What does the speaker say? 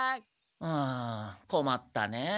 うんこまったねえ。